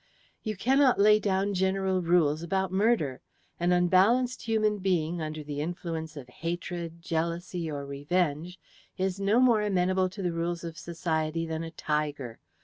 "You cannot lay down general rules about murder. An unbalanced human being, under the influence of hatred, jealousy, or revenge, is no more amenable to the rules of society than a tiger.